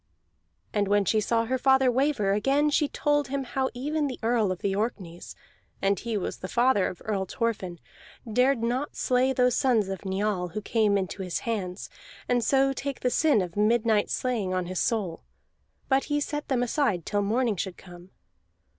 And when she saw her father waver again she told him how even the Earl of the Orkneys (and he was father of Earl Thorfinn) dared not slay those sons of Njal who came into his hands, and so take the sin of midnight slaying on his soul; but he set them aside till morning should come.